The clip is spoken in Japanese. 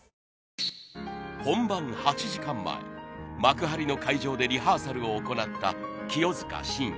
本番８時間前幕張の会場でリハーサルを行った清塚信也。